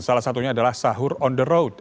salah satunya adalah sahur on the road